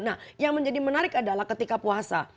nah yang menjadi menarik adalah ketika puasa